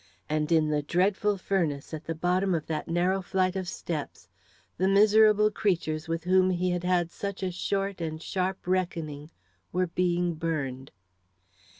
And in the dreadful furnace, at the bottom of that narrow flight of steps, the miserable creatures with whom he had had such a short and sharp reckoning were being burned.